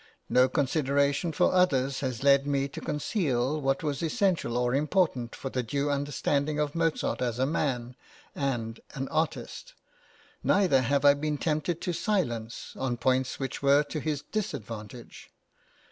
No consideration for others has led me to conceal what was essential or important for the due understanding of Mozart as a man and an artist; neither have I {LIFE OF MOZART.} (xxii) been tempted to silence on points which were to his disadvantage.